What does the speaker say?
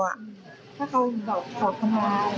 ถ้าเขาบอกเขามาเอาหัวสีให้เขาได้ไหม